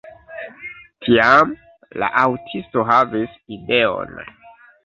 Tiam la aŭtisto havis ideon.